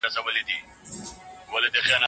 شفق مجله ډېره ګټوره وه.